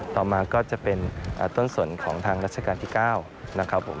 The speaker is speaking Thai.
ต่อมาก็จะเป็นต้นสนของทางราชการที่๙นะครับผม